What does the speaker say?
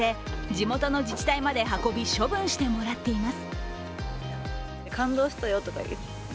地元の自治体まで運び、処分してもらっています。